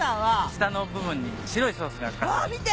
下の部分に白いソースが掛かって。